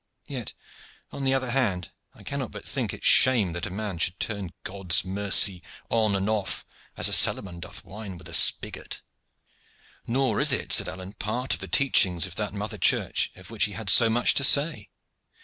Yet, on the other hand, I cannot but think it shame that a man should turn God's mercy on and off, as a cellarman doth wine with a spigot." "Nor is it," said Alleyne, "part of the teachings of that mother Church of which he had so much to say.